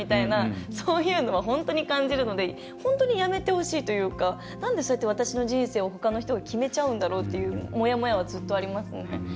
そういうのは本当にやめてほしいというかなんで、そうやって私の人生をほかの人が決めちゃうんだろうっていうもやもやは、ずっとありますね。